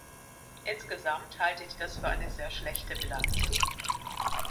Insgesamt halte ich das für eine sehr schlechte Bilanz.